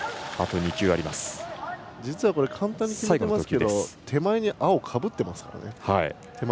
簡単に決めてますけど手前に青、かぶってますからね。